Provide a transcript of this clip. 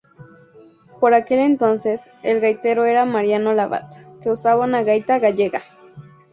Por aquel entonces, el gaitero era Mariano Labat, que usaba una gaita gallega.